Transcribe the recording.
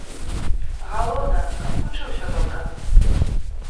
Галоўнае, каб вучыўся добра.